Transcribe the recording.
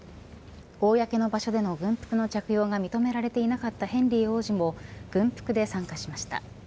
公の場所での軍服の着用が認められていなかったヘンリー王子も軍服で参加しました。